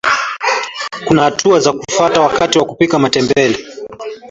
kuna hatua za kufata wakati wa kupika matembele